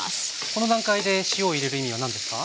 この段階で塩を入れる意味は何ですか？